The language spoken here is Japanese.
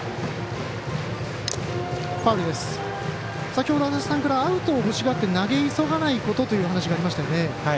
先ほど、足達さんからアウトを急いで投げ急がないことという話がありましたよね。